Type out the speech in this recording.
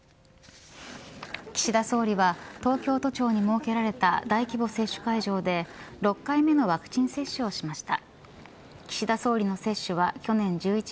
岸田総理は東京都庁に設けられた大規模接種会場で６回目のワクチン接種をしました。